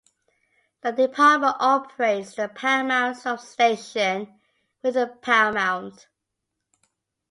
The department operates the Paramount Substation within Paramount.